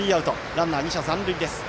ランナー、２者残塁です。